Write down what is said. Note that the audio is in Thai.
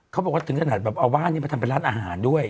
เขาบอกว่าถึงขนาดแบบเอาบ้านนี้มาทำเป็นร้านอาหารด้วย